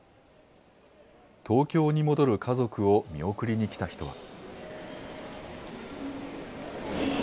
東京に戻る家族を見送りに来た人は。